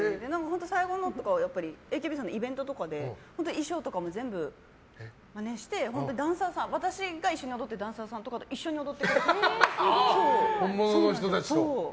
最後のほうとかＡＫＢさんのイベントとかで衣装とかも全部マネして私が一緒に踊ってるダンサーさんとかと本物の人たちと。